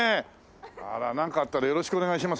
あらなんかあったらよろしくお願いします